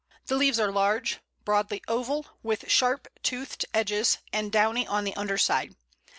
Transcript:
The leaves are large, broadly oval, with sharp toothed edges, and downy on the underside.